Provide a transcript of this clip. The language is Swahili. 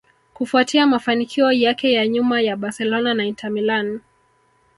kufuatia mafanikio yake ya nyuma ya Barcelona na Inter Milan